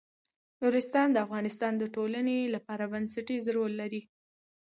نورستان د افغانستان د ټولنې لپاره بنسټيز رول لري.